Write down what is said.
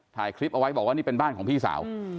ถ่ายคลิปเอาไว้บอกว่านี่เป็นบ้านของพี่สาว